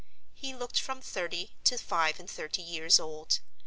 He looked from thirty to five and thirty years old.